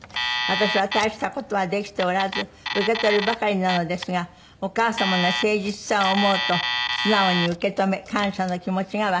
「私は大した事はできておらず受け取るばかりなのですがお母様の誠実さを思うと素直に受け止め感謝の気持ちが湧き上がります」